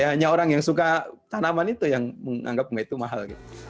ya hanya orang yang suka tanaman itu yang menganggap bunga itu mahal